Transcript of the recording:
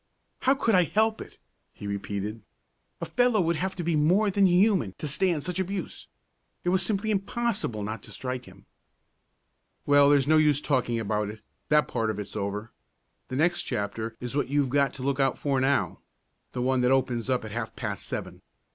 "How could I help it?" he repeated. "A fellow would have to be more than human to stand such abuse. It was simply impossible not to strike him." "Well, there's no use talking about it; that part of it's over. The next chapter is what you've got to look out for now, the one that opens up at half past seven.